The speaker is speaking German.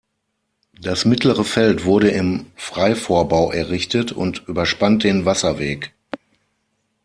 Das mittlere Feld wurde im Freivorbau errichtet und überspannt den Wasserweg.